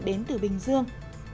đến từ bình dương